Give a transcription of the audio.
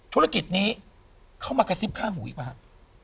ธุรกิจนี้เขามากระซิบข้างหูอีกมั้ยครับ